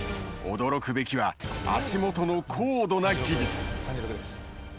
驚くべきは、足元の高度な技術。